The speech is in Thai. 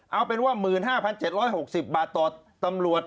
เอาเป็นว่า๑๕๗๖๐บาทต่อตำรวจ